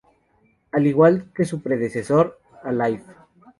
Al igual que su predecesor "Alive!